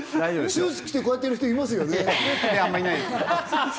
スーツ着て、こうやってる人いますよね。